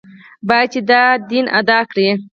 باید چې دا دین ادا کړي.